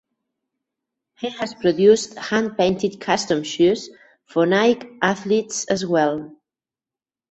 He has produced hand painted custom shoes for Nike athletes as well.